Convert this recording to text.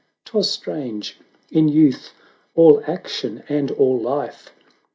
'Twas strange — in youth all action and all life.